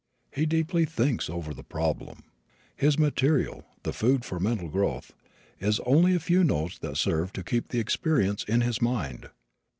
He deeply thinks over the problem. His material, the food for mental growth, is only a few notes that serve to keep the experience in his mind.